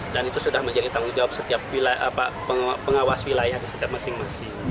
dan itu sudah menjadi tanggung jawab setiap pengawas wilayah di setiap masing masing